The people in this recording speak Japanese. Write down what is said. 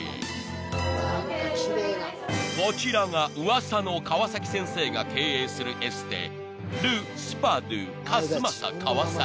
［こちらが噂の川崎先生が経営するエステ］